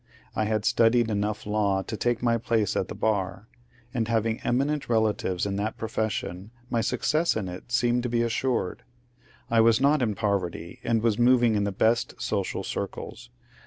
I had studied enough law to take my place at the bar, and having eminent relatives in that profession my success in it seemed to be assured. I was not in poverty and was moving in the best social circles.